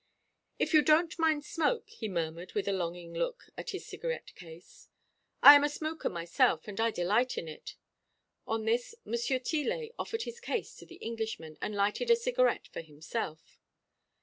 "If you don't mind smoke," he murmured, with a longing look at his cigarette case. "I am a smoker myself, and I delight in it." On this, Monsieur Tillet offered his case to the Englishman, and lighted a cigarette for himself.